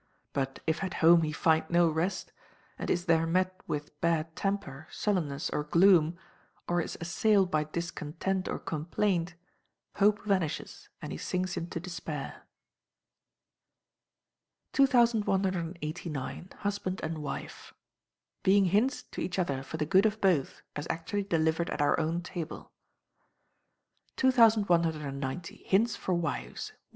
But if at home he find no rest, and is there met with bad temper, sullenness, or gloom, or is assailed by discontent or complaint, hope vanishes, and he sinks into despair. 2189. Husband and Wife. Being hints to each other for the good of both, as actually delivered at our own table: 2190. Hints for Wives (1).